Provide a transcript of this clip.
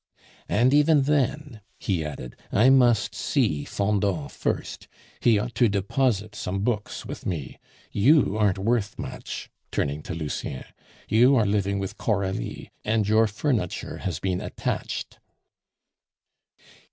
"And even then," he added, "I must see Fendant first. He ought to deposit some books with me. You aren't worth much" (turning to Lucien); "you are living with Coralie, and your furniture has been attached."